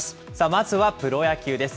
まずはプロ野球です。